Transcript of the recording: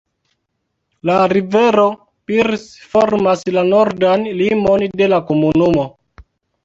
La rivero Birs formas la nordan limon de la komunumo.